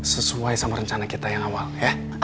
sesuai sama rencana kita yang awal ya